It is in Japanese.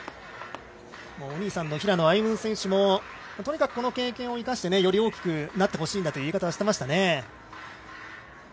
お兄さんの平野歩夢選手もとにかくこの経験を生かしてより大きくなってほしいんだという言い方をしていました。